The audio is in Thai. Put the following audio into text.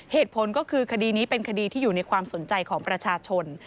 เหตุผลก็คือคดีนี้เป็นคดีที่อยู่ในความสนใจของประชาชน